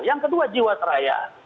yang kedua jiwa teraya